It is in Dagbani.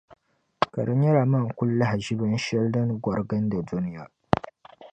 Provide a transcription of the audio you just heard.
Ka di nyɛla man' kuli lahi ʒi binshɛli din gɔri gindi duniya